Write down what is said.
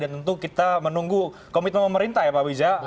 dan tentu kita menunggu komitmen pemerintah ya pak wija